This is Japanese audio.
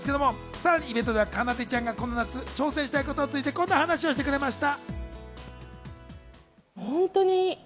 さらにイベントではかなでちゃんがこの夏、挑戦したいことについてこんな話をしてくれました。